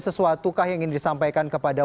sesuatukah yang ingin disampaikan kepada